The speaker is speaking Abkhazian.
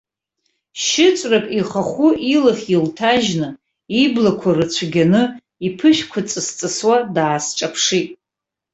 Шьыҵәрак ихахәы илахь илҭажьны, иблақәа рыцәгьаны, иԥышәқәа ҵысҵысуа даасҿаԥшит.